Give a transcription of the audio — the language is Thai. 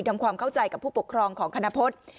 ทำความเข้าใจกับผู้ปกครองของคณพฤษ